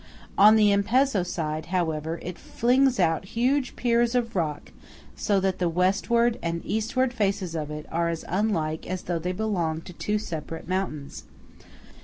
On the Ampezzo side, however, it flings out huge piers of rock, so that the Westward and Eastward faces of it are as unlike as though they belonged to two separate mountains.